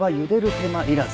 手間いらず。